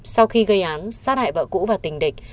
sau khi gây án sát hại vợ cũ và tình địch